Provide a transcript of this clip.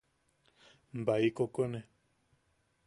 Baʼai kokone.